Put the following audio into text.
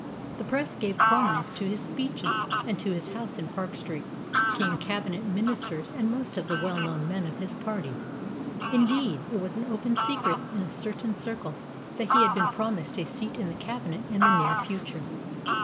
The Press gave prominence to his speeches, and to his house in Park Street came Cabinet Ministers and most of the well known men of his party. Indeed, it was an open secret in a certain circle that he had been promised a seat in the Cabinet in the near future.